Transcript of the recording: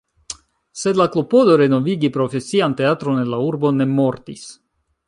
Sed la klopodo renovigi profesian teatron en la urbo ne mortis.